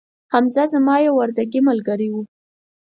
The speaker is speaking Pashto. حمزه زما یو وردکې ملګري وو